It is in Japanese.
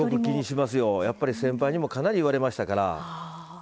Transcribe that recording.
先輩にもかなり言われましたから。